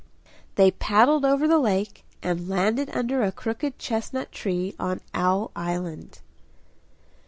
They paddled over the lake and landed under a crooked chestnut tree on Owl Island.